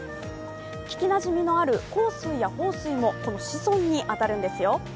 聞きなじみのある幸水や豊水もこの子孫に当たるんですよ。